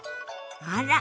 あら。